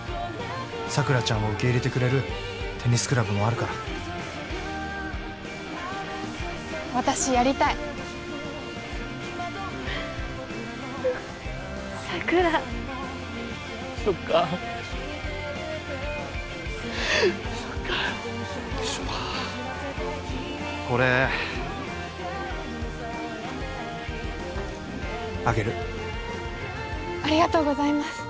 桜ちゃんを受け入れてくれるテニスクラブもあるから私やりたい桜そっかそっかよいしょこれあげるありがとうございます